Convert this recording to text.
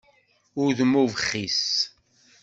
Udem ubxiṣ.